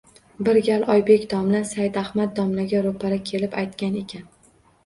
Bir gal Oybek domla Said Ahmad domlaga ro‘para kelib aytgan ekan: